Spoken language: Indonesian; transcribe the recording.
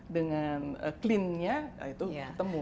dengan clean nya itu ketemu